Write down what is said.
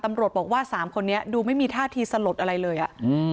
ตำรวจบอกว่าสามคนนี้ดูไม่มีท่าทีสลดอะไรเลยอ่ะอืม